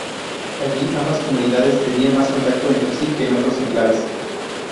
Allí ambas comunidades tenían más contacto entre sí que en otros enclaves.